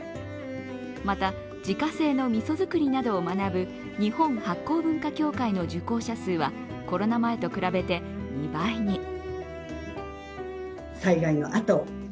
また、自家製のみそ作りなどを学ぶ日本発酵文化協会の受講者数はコロナ前と比べて２倍に。